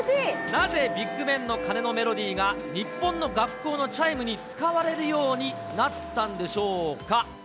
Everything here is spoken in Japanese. なぜビッグベンの鐘のメロディーが、日本の学校のチャイムに使われるようになったんでしょうか。